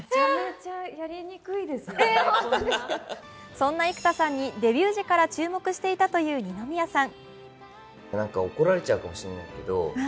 そんな幾田さんにデビュー時から注目していたという二宮さん。